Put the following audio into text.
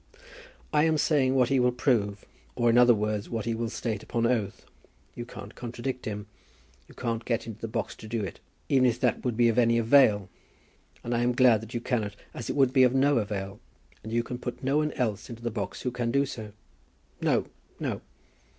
"I am saying what he will prove, or, in other words, what he will state upon oath. You can't contradict him. You can't get into the box to do it, even if that would be of any avail; and I am glad that you cannot, as it would be of no avail. And you can put no one else into the box who can do so." "No; no."